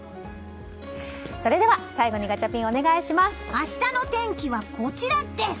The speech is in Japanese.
それでは最後にガチャピン明日の天気はこちらです！